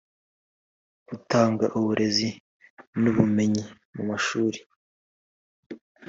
Gutanga uburezi n ubumenyi mu mashuri